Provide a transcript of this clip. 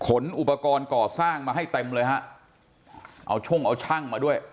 อุปกรณ์ก่อสร้างมาให้เต็มเลยฮะเอาช่องเอาช่างมาด้วย